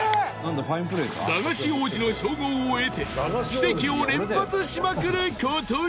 駄菓子王子の称号を得て奇跡を連発しまくる事に！